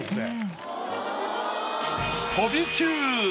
飛び級！